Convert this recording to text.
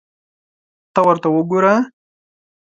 ته ورته وګوره !